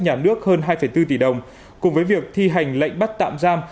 các ngân sách nhà nước hơn hai bốn tỷ đồng cùng với việc thi hành lệnh bắt tạm giam